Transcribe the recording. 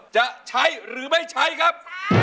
จะใช้หรือไม่ใช้ครับ